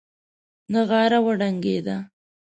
نغاره وډنګېده.